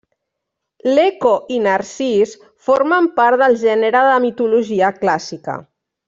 L'Eco i Narcís formen part del gènere de mitologia clàssica.